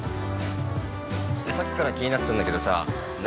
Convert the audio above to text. さっきから気になってたんだけどさ何？